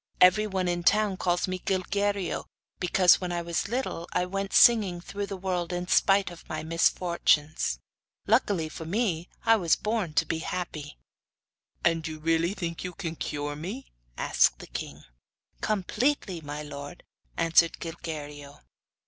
'Everyone in the town calls me Gilguerillo[FN#1], because, when I was little, I went singing through the world in spite of my misfortunes. Luckily for me I was born to be happy.' 'And you really think you can cure me?' asked the king. 'Completely, my lord,' answered Gilguerillo.